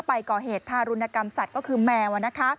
ไปก่อเหตุทารุณกรรมสัตว์ก็คือแมว